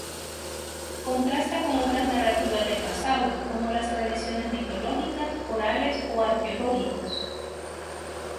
Contrasta con otras narrativas del pasado, como las tradiciones mitológicas, orales o arqueológicos.